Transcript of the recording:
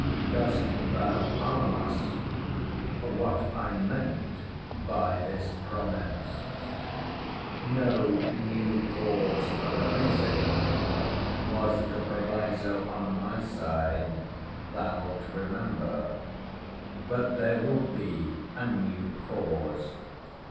Dost thou ask, What I meant by this promise? No new cause arising, was the proviso on my side, thou'lt remember. But there will be a new cause.